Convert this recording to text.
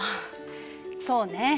そうね。